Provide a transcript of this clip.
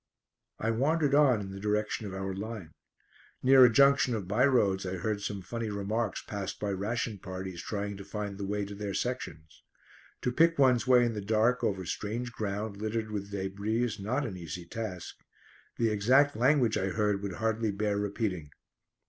I wandered on in the direction of our line. Near a junction of by roads I heard some funny remarks passed by ration parties trying to find the way to their sections. To pick one's way in the dark over strange ground littered with débris is not an easy task. The exact language I heard would hardly bear repeating.